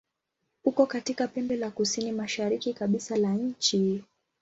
Uko katika pembe la kusini-mashariki kabisa la nchi.